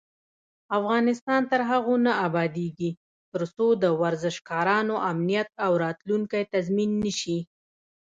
افغانستان تر هغو نه ابادیږي، ترڅو د ورزشکارانو امنیت او راتلونکی تضمین نشي.